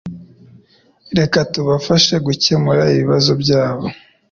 Reka tubafashe gukemura ibibazo byabo